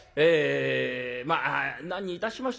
まあ何にいたしましてもご縁。